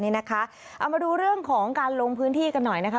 เอามาดูเรื่องของการลงพื้นที่กันหน่อยนะคะ